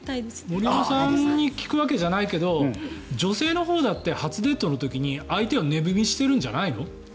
森山さんに聞くわけじゃないけど女性のほうだって初デートの時に相手を値踏みしてるんじゃないの？